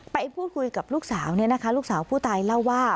ไปพูดคุยกับลูกสาวเนี่ยนะคะลูกสาวผู้ตายเล่าว่า